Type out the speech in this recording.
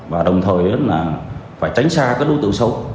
và đồng thời là phải tránh xa các đối tượng xấu